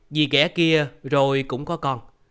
dì ghẻ kia rồi cũng có con